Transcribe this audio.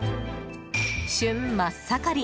旬真っ盛り！